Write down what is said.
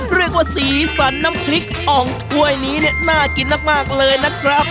เรียกว่าสีสันน้ำพริกอ่องถ้วยนี้เนี่ยน่ากินมากเลยนะครับ